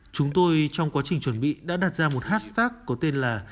chúng tôi trong quá trình chuẩn bị đã đặt ra một hashtag có tên là